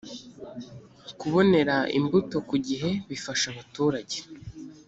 kubonera imbuto ku gihe bifasha abaturage